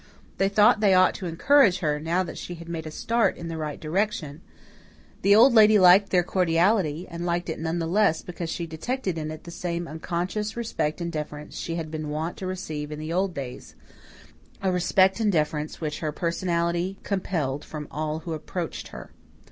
They thought they ought to encourage her, now that she had made a start in the right direction; the Old Lady liked their cordiality, and liked it none the less because she detected in it the same unconscious respect and deference she had been wont to receive in the old days a respect and deference which her personality compelled from all who approached her.